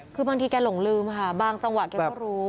คือบางทีแกหลงลืมค่ะบางจังหวะแกก็รู้